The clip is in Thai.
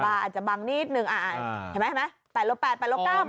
บ้านอาจจะบังนิดนึงอ่ะเห็นไหม๘๘๘๙ประมาณนี้